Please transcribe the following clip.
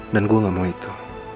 dan gue gamau itu